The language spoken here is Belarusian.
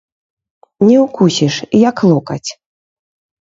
Не ўкусіш, як локаць.